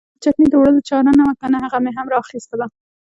د چکنۍ د وړلو چاره نه وه کنه هغه مې هم را اخیستله.